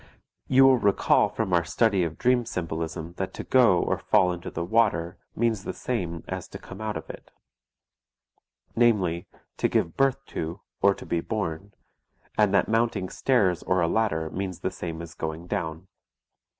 You will recall from our study of dream symbolism that to go or fall into the water means the same as to come out of it, namely, to give birth to, or to be born, and that mounting stairs or a ladder means the same as going down.